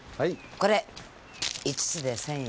これ５つで１０００円。